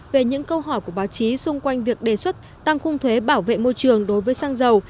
về những câu hỏi của báo chí xung quanh việc đề xuất tăng khung thuế bảo vệ môi trường đối với xăng dầu